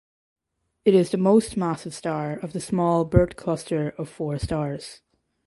It is the most massive star of the small birth cluster of four stars.